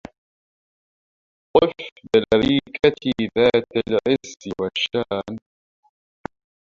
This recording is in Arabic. طف بالأريكة ذات العز والشان